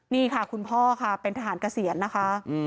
นี่ค่ะคุณพ่อค่ะเป็นทหารเกษียณนะคะ